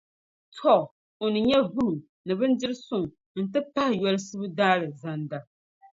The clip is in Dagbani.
Tɔ! O ni nya vuhim ni bindirisuŋ, n-ti pahi yolsibu Daalizanda.